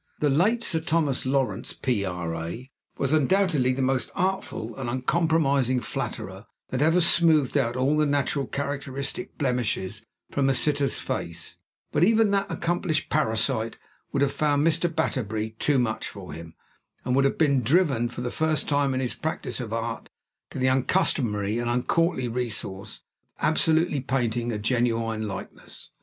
The late Sir Thomas Lawrence, P.R.A., was undoubtedly the most artful and uncompromising flatterer that ever smoothed out all the natural characteristic blemishes from a sitter's face; but even that accomplished parasite would have found Mr. Batterbury too much for him, and would have been driven, for the first time in his practice of art, to the uncustomary and uncourtly resource of absolutely painting a genuine likeness.